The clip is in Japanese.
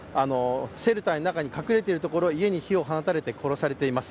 シェルターの中に隠れているところ、家に火を放たれて殺されています。